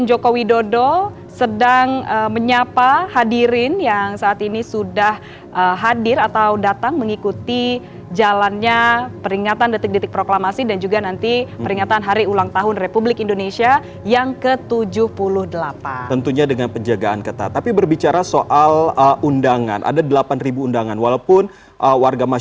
oke kita saksikan bersama